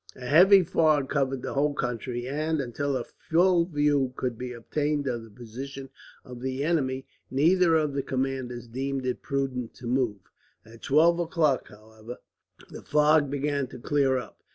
A heavy fog covered the whole country and, until a full view could be obtained of the position of the enemy, neither of the commanders deemed it prudent to move. At twelve o'clock, however, the fog began to clear up.